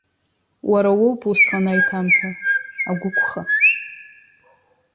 Уара уоуп усҟан аиҭамҳәа, агәықәха.